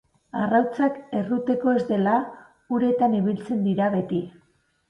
Arrautzak erruteko ez dela, uretan ibiltzen dira beti.